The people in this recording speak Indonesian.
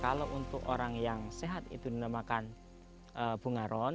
kalau untuk orang yang sehat itu dinamakan bunga ron